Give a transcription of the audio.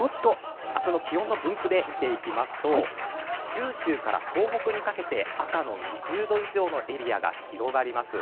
明日の気温の分布で見ていきますと九州から東北にかけて赤の２０度以上のエリアが広がります。